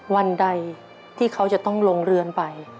วันใดที่เขาจะต้องลงเรือนไป